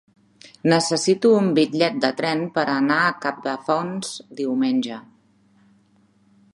Necessito un bitllet de tren per anar a Capafonts diumenge.